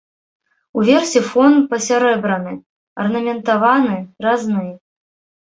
Уверсе фон пасярэбраны, арнаментаваны, разны.